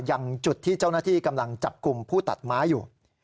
อย่างจุดที่เจ้าหน้าที่กำลังจับกลุ่มผู้ตัดไม้อยู่